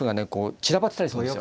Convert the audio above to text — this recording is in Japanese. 散らばってたりするんですよ。